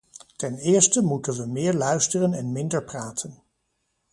Ten eerste moeten we meer luisteren en minder praten.